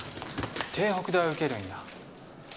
帝北大受けるんや？